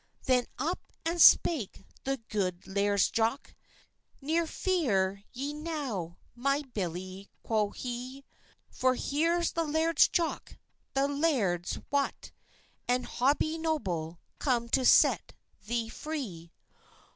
Then up and spake the good Laird's Jock: "Neer fear ye now, my billie," quo he; "For here's the Laird's Jock, the Laird's Wat, And Hobie Noble, come to set thee free."